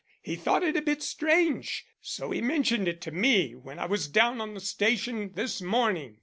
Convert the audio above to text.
He thought it a bit strange, so he mentioned it to me when I was down on the station this morning.